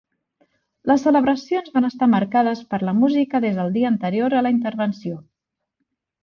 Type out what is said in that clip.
Les celebracions van estar marcades per la música des del dia anterior a la intervenció.